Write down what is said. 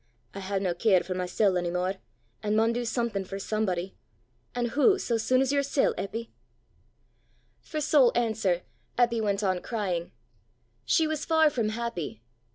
I hae nae care for mysel' ony mair, an' maun do something for somebody an' wha sae soon as yersel', Eppy!" For sole answer, Eppy went on crying. She was far from happy.